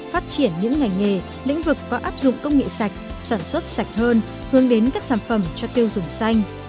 phát triển những ngành nghề lĩnh vực có áp dụng công nghệ sạch sản xuất sạch hơn hướng đến các sản phẩm cho tiêu dùng xanh